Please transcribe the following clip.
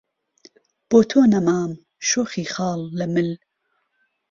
بۆ تۆ نهمام شۆخی خاڵ له مل